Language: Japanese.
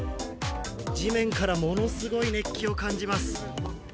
地面からものすごい熱気を感じます。